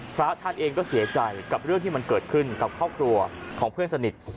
พระท่านเองก็เสียใจกับเรื่องที่มันเกิดขึ้นกับครอบครัวของเพื่อนสนิท